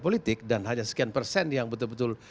politik dan hanya sekian persen yang betul betul